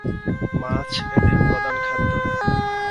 মাছ এদের প্রধান খাদ্য।